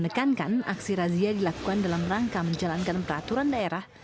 namun satwa pp menekankan aksi razia dilakukan dalam rangka menjalankan peraturan daerah